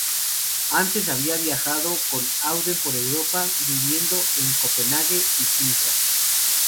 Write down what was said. Antes había viajado con Auden por Europa, viviendo en Copenhague y Sintra.